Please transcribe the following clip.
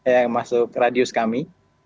yang masuk radius kami